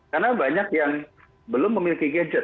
karena banyak yang belum memiliki gadget